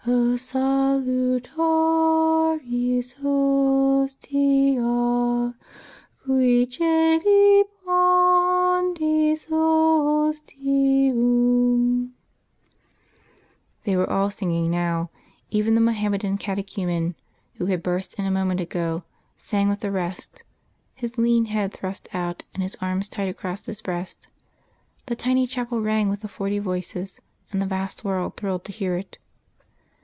O Salutaris Hostia Qui coeli pandis ostium. ... They were all singing now; even the Mohammedan catechumen who had burst in a moment ago sang with the rest, his lean head thrust out and his arms tight across his breast; the tiny chapel rang with the forty voices, and the vast world thrilled to hear it....